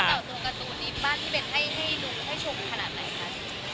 การ์ตูนนี้บ้างที่เบนให้ดูให้ชมขนาดไหนคะ